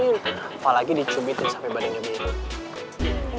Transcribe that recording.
apalagi dicubitin sampe badannya biru